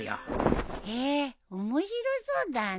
へえ面白そうだね。